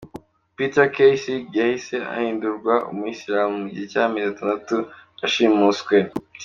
Peter Kassig yahise ahindurwa umuyisilamu mu gihe cy’amezi atandatu ashimuswe.